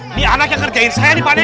ini anak yang ngerjain saya nih pade